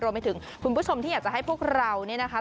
คุณผู้ชมที่อยากจะให้พวกเราเนี่ยนะคะ